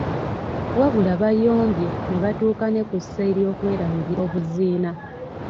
Wabula bayombye ne batuuka ne kussa ery’okwerangira obuziina.